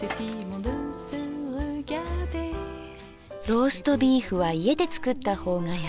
ローストビーフは家で作った方が安い。